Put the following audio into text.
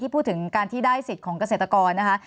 พูดถึงการที่ได้สิทธิ์ของเกษตรกรนะคะ